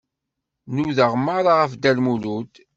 Nudaɣ meṛṛa ɣef Dda Lmulud.